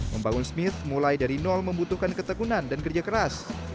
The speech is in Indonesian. membangun smith mulai dari nol membutuhkan ketekunan dan kerja keras